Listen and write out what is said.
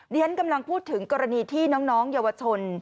ฉันกำลังพูดถึงกรณีที่น้องเยาวชน